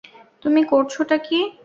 তুমি করছটা কী!